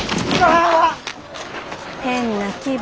変な気分。